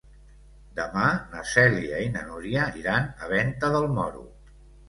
Demà na Cèlia i na Núria iran a Venta del Moro.